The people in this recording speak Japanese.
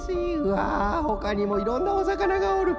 わあほかにもいろんなおさかながおる。